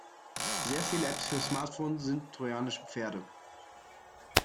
Sehr viele Apps für Smartphones sind trojanische Pferde.